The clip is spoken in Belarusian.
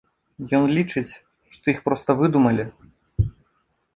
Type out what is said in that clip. Ён лічыць, што іх проста выдумалі.